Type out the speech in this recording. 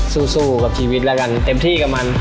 สู้กับชีวิตแล้วกันเต็มที่กับมัน